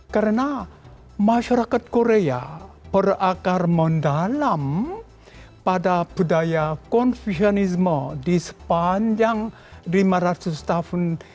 karena masyarakat korea berakar mendalam pada budaya konfusionisme di sepanjang lima ratus tahun dinasti joseon yaitu dinasti yang terakhir dalam sejarah korea